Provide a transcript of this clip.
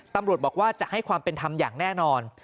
ตำรวจบอกว่าจะให้ความเป็นธรรมอย่างแน่นอน